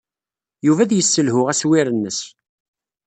Yuba ad yesselhu aswir-nnes.